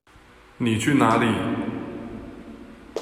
妳去哪裡？